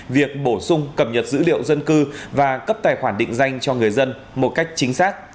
việc bổ sung cập nhật dữ liệu dân cư và cấp tài khoản định danh cho người dân một cách chính xác